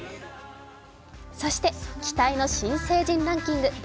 そして期待の新成人ランキング